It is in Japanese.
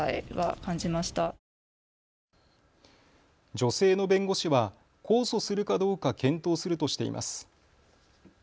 女性の弁護士は控訴するかどうか検討するとしています。